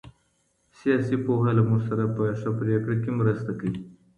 سياسي پوهه له موږ سره په ښه پرېکړه کي مرسته کوي.